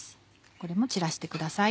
これもちらしてください。